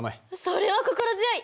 それは心強い！